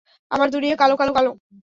আমার দুনিয়া কালো, কালো, কালো!